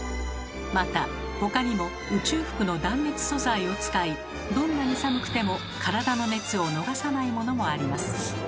また他にも宇宙服の断熱素材を使いどんなに寒くても体の熱を逃さないものもあります。